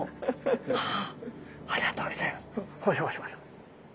ああありがとうギョざいます。